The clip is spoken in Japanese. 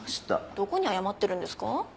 どこに謝ってるんですか？